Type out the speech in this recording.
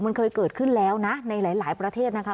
มันเคยเกิดขึ้นแล้วนะในหลายประเทศนะคะ